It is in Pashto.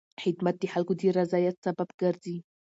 خدمت د خلکو د رضایت سبب ګرځي.